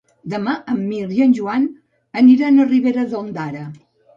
Demà en Mirt i en Joan aniran a Ribera d'Ondara.